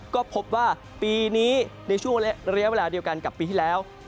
ก็พบว่าปีนี้ในช่วงระยะเวลาเดียวกันกับปีที่แล้ว